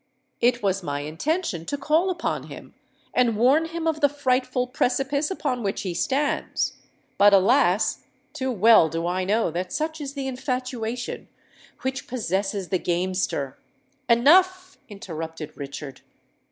It was my intention to call upon him and warn him of the frightful precipice upon which he stands; but, alas! too well do I know that such is the infatuation which possesses the gamester——" "Enough!" interrupted Richard.